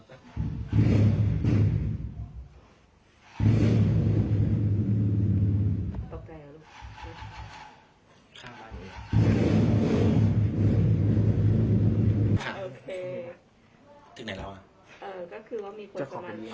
ก็คือมีคนเกิดเอาขอไปเลี้ยงเยอะ